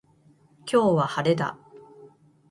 今日は晴れだ。